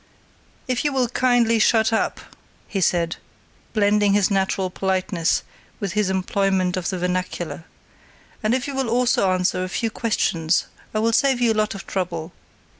"If you will kindly shut up," he said, blending his natural politeness with his employment of the vernacular, "and if you will also answer a few questions I will save you a lot of trouble.